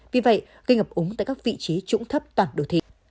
vì vậy gây ngập úng tại các vị trí trũng thấp toàn đồ thị